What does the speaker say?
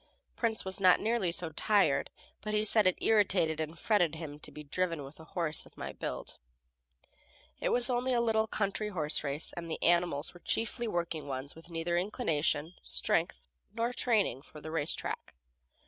Prince was not nearly so tired, but he said it irritated and fretted him to be driven with a horse of my build. It was only a little country horse race, and the animals were chiefly working ones with neither inclination, strength nor training for the race track.